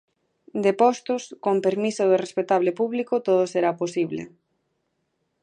De postos, con permiso do respectable público, todo será posible.